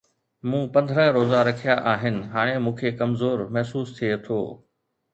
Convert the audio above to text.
مون پندرهن روزا رکيا آهن، هاڻي مون کي ڪمزور محسوس ٿئي ٿو.